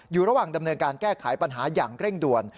อยู่ระหว่างดำเนินการแก้ไขปัญหาอย่างเร่งด่วน